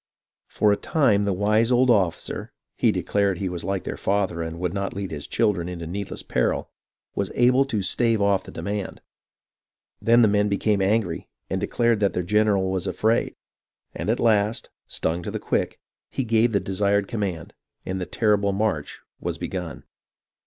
For a time the wise old officer (he declared he was like their father, and would not lead his children into needless peril) was able to stave off the demand. Then the men became angry and declared that their general was afraid ; and at last, stung to the quick, he gave the desired com mand, and the terrible march was begun.